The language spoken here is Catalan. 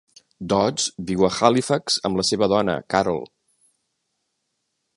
Dodds viu a Halifax amb la seva dona, Carol.